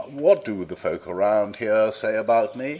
"What do the folk around here say about me?"